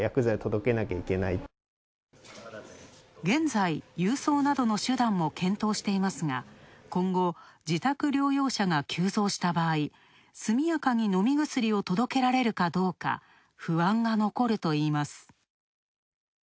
現在、郵送などの手段も検討していますが今後、自宅療養者が急増した場合、すみやかに飲み薬を届けられるかどうか、不安が残るといいます。